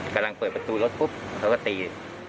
กำลังเปิดประตูรถปุ๊บเขาก็ตี